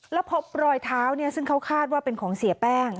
แล้วพบรอยเท้าซึ่งเขาคาดว่าเป็นของเสียแป้ง